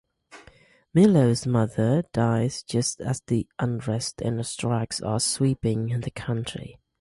Milou's mother dies just as the unrest and strikes are sweeping the country.